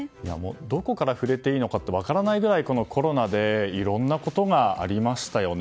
どこから触れていいか分からないくらいコロナでいろいろなことがありましたよね。